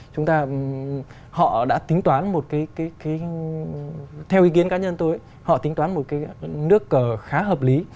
chúng ta họ đã tính toán một cái theo ý kiến cá nhân tôi họ tính toán một cái nước cờ khá hợp lý